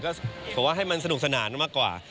ก็ผมว่าให้มันสนุกสนานมากกว่า